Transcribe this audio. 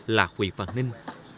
là huy phạm ninh